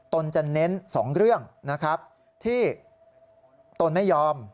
ตนจะเน้น๒เรื่องนะครับที่ตนไม่ยอม